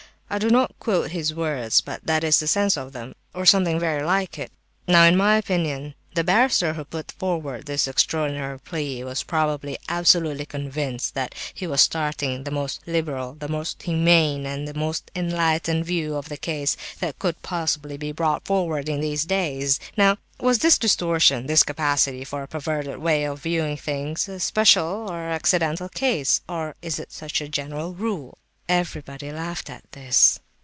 I do not quote his words, but that is the sense of them, or something very like it. Now, in my opinion, the barrister who put forward this extraordinary plea was probably absolutely convinced that he was stating the most liberal, the most humane, the most enlightened view of the case that could possibly be brought forward in these days. Now, was this distortion, this capacity for a perverted way of viewing things, a special or accidental case, or is such a general rule?" Everyone laughed at this.